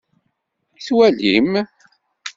I twalim?